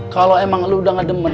kalo emang lo udah gak demen